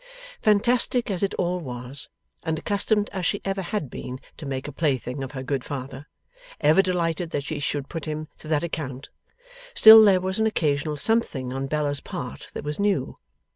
Fantastic as it all was, and accustomed as she ever had been to make a plaything of her good father, ever delighted that she should put him to that account, still there was an occasional something on Bella's part that was new.